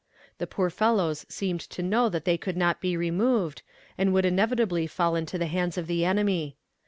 The poor fellows seemed to know that they could not be removed, and would inevitably fall into the hands of the enemy.